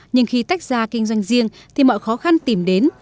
nhưng khi tách ra kinh doanh riêng thì mọi khó khăn tìm đến